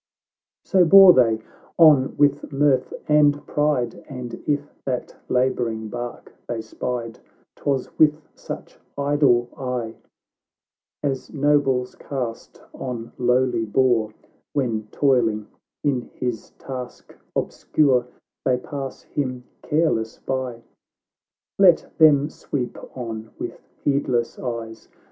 XVI So bore they on with mirth and pride, And if that labouring bark they spied, 'Twas with such idle eye As nobles cast on lowly boor, When, toiling in his task obscure, They pass him careless by. Let'them sweep on with heedless eyes